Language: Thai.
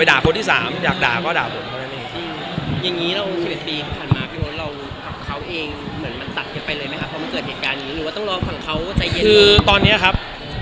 อะไรก็ได้ก็ด่าผมแต่ว่าอย่าไปไช่อย่าไปด่าคนที่ผมรัก